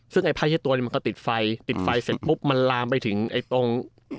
ซึ่งไอ้ผ้าเช็ดตัวเนี่ยมันก็ติดไฟติดไฟเสร็จปุ๊บมันลามไปถึงไอ้ตรง